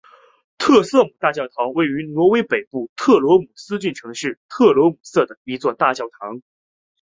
特罗姆瑟大教堂是位于挪威北部特罗姆斯郡城市特罗姆瑟的一座大教堂。